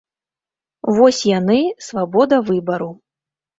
Вось яны, свабода выбару.